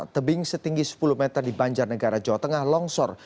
tebing setinggi sepuluh meter di banjarnegara jawa tengah longsor